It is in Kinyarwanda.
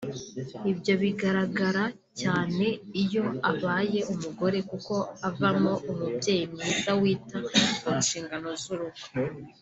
ibyo bigaragara cyane iyo abaye umugore kuko avamo umubyeyi mwiza wita ku nshingano z’urugo